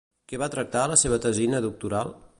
Què va tractar a la seva tesina doctoral?